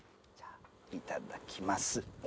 いただきます。